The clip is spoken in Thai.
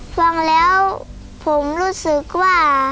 พร้อมแล้วผมรู้สึกว่า